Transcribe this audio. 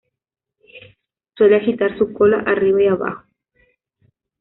Suele agitar su cola arriba y abajo.